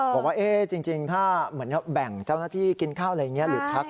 บอกว่าจริงถ้าเหมือนแบ่งเจ้าหน้าที่กินข้าวอะไรอย่างนี้หรือทัก